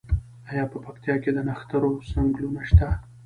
آیا په پکتیا کې د نښترو ځنګلونه شته؟